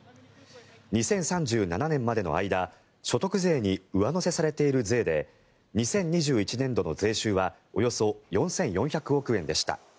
２０３７年までの間所得税に上乗せされている税で２０２１年度の税収はおよそ４４００億円でした。